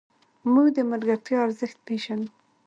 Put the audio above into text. موږ د ملګرتیا ارزښت پېژنو.